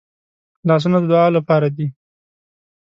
لاسونه د دعا لپاره دي